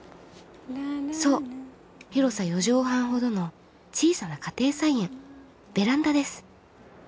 そう広さ４畳半ほどの小さな家庭菜園ベランダです。